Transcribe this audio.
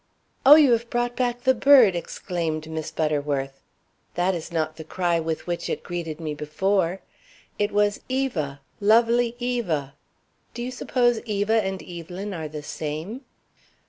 "Oh, you have brought back the bird!" exclaimed Miss Butterworth. "That is not the cry with which it greeted me before. It was 'Eva! Lovely Eva!' Do you suppose Eva and Evelyn are the same?"